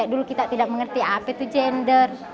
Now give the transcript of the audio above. dulu kita tidak mengerti apa itu gender